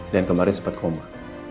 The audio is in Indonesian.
dan kemarin sempat koma